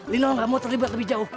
lino gak mau terlibat lebih jauh